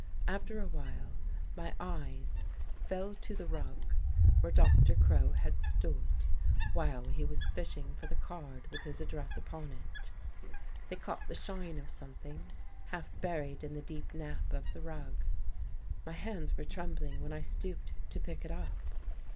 After a while, my eyes fell to the rug where Dr. Crow had stood while he was fishing for the card with his address upon it. They caught the shine of something, half buried in the deep nap of the rug. My hands were trembling when I stooped to pick it up.